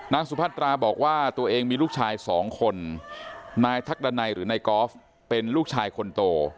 สุพัตราบอกว่าตัวเองมีลูกชายสองคนนายทักดันัยหรือนายกอล์ฟเป็นลูกชายคนโต